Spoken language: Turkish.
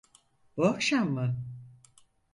Bu akşam mı?